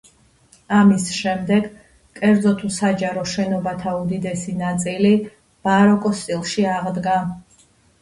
ამის შემდეგ, კერძო თუ საჯარო შენობათა უდიდესი ნაწილი ბაროკოს სტილში აღდგა.